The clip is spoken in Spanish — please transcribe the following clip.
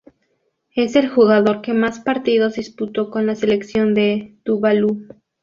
Es el jugador que más partidos disputó con la selección de Tuvalu.